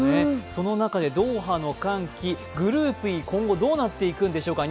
その中でドーハの歓喜、グループＥ、今後どうなっていくのでしょうか。